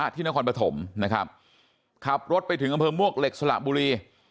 ที่นครปฐมนะครับขับรถไปถึงอำเภอมวกเหล็กสละบุรี